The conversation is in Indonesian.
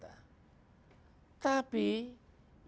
tapi yang menentukan kan tetap selalu merata